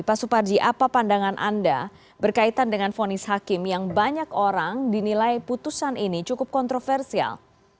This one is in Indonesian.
pak suparji apa pandangan anda berkaitan dengan fonis hakim yang banyak orang dinilai putusan ini cukup kontroversial